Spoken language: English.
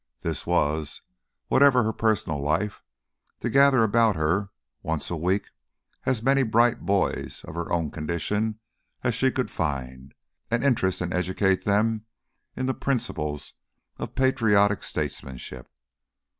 This was, whatever her personal life, to gather about her, once a week, as many bright boys of her own condition as she could find, and interest and educate them in the principles of patriotic statesmanship.